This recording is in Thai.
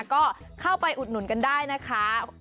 ก็เข้าไปอุดหนุนกันได้นะคะ